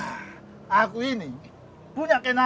hai nah aku ini punya kenalan yang bisa